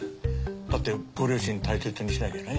だってご両親大切にしなきゃね。